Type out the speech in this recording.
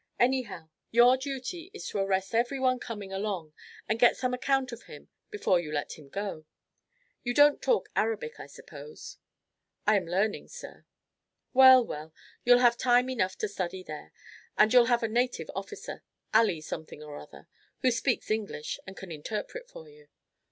Anyhow, your duty is to arrest every one coming along, and get some account of him before you let him go. You don't talk Arabic, I suppose?" "I am learning, sir." "Well, well, you'll have time enough to study there. And you'll have a native officer, Ali something or other, who speaks English, and can interpret for you.